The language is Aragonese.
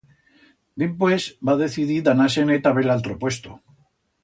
Dimpués va decidir d'anar-se-ne ta bell altro puesto.